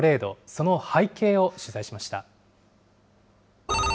その背景を取材しました。